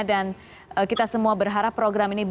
dan kita semua berharap program ini